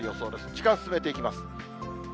時間進めていきます。